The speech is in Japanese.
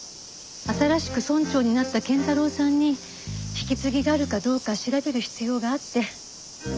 新しく村長になった謙太郎さんに引き継ぎがあるかどうか調べる必要があって。